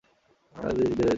আমাদের বেশ দেরি হয়ে যাচ্ছে!